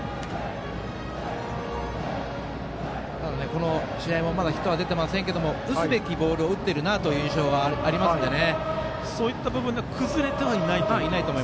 この試合もまだヒットが出ていませんけど打つべきボールを打ってるなという印象がありますのでね。